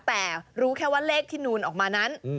แต่รู้แค่ว่าเลขที่นูนออกมานั้น